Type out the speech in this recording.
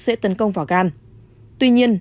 sẽ tấn công vào gan tuy nhiên